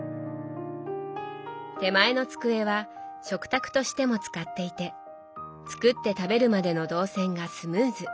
手前の机は食卓としても使っていて作って食べるまでの動線がスムーズ。